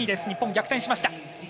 日本、逆転しました。